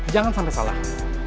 jangan sampai salah